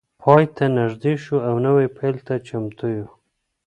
پای ته نږدې شو او نوی پیل ته چمتو یو.